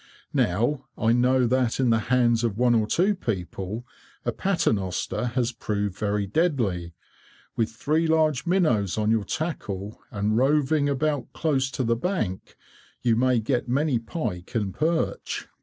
Now, I know that in the hands of one or two people, a paternoster has proved very deadly. With three large minnows on your tackle, and roving about close to the bank, you may get many pike and perch."